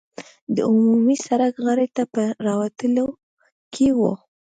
د عمومي سړک غاړې ته په راوتلو کې وو.